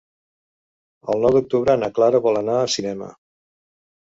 El nou d'octubre na Clara vol anar al cinema.